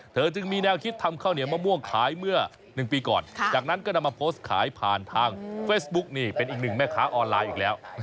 เธอจึงมีแนวคิดทำข้าวเหนียวมะม่วงขายเมื่อ๑ปีก่อนจากนั้นก็นำมาโพสต์ขายผ่านทางเฟซบุ๊กนี่เป็นอีกหนึ่งแม่ค้าออนไลน์อีกแล้ว